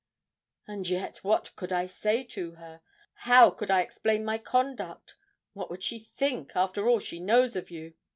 "And yet, what could I say to her? how could I explain my conduct? what would she think, after all she knows of you?"